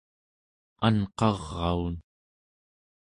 anqaraun